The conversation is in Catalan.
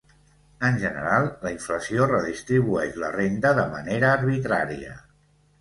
En general, la inflació redistribueix la renda de manera arbitrària.